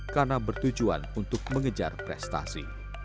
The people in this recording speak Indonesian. karena bertujuan untuk mengejar prestasi